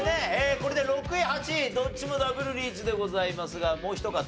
これで６位８位どっちもダブルリーチでございますがもうひと方。